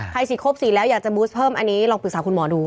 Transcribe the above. ฉีดครบ๔แล้วอยากจะบูสเพิ่มอันนี้ลองปรึกษาคุณหมอดู